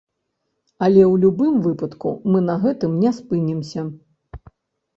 Але ў любым выпадку мы на гэтым не спынімся.